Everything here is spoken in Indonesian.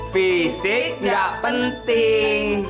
fisik gak penting